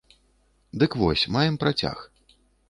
Дык вось, маем працяг.